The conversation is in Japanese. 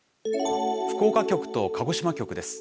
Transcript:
福岡局と鹿児島局です。